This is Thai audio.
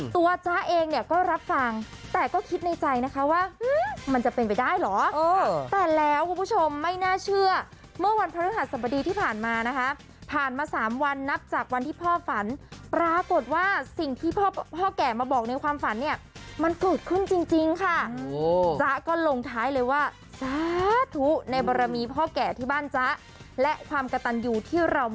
จ๊ะเองเนี่ยก็รับฟังแต่ก็คิดในใจนะคะว่ามันจะเป็นไปได้เหรอแต่แล้วคุณผู้ชมไม่น่าเชื่อเมื่อวันพระฤหัสบดีที่ผ่านมานะคะผ่านมา๓วันนับจากวันที่พ่อฝันปรากฏว่าสิ่งที่พ่อแก่มาบอกในความฝันเนี่ยมันเกิดขึ้นจริงค่ะจ๊ะก็ลงท้ายเลยว่าสาธุในบรมีพ่อแก่ที่บ้านจ๊ะและความกระตันยูที่เรา